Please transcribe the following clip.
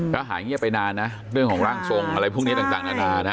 ก็หายเงียบไปนานนะเรื่องของร่างทรงอะไรพวกนี้ต่างนานานะ